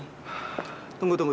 tunggu tunggu tunggu